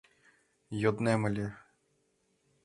Йоднем ыле...